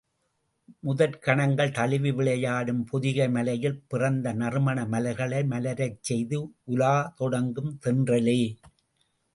முகிற் கணங்கள் தழுவி விளையாடும் பொதிகை மலையில் பிறந்து நறுமண மலர்களை மலரச் செய்து உலா தொடங்கும் தென்றலே!